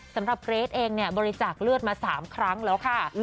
เกรทเองเนี่ยบริจาคเลือดมา๓ครั้งแล้วค่ะ